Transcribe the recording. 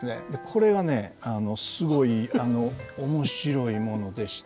これがねすごい面白いものでして。